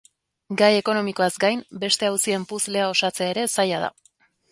Gai ekonomikoaz gain, beste auzien puzzlea osatzea ere zaila da.